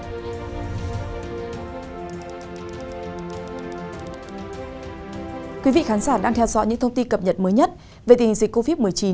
thưa quý vị khán giả đang theo dõi những thông tin cập nhật mới nhất về tình hình dịch covid một mươi chín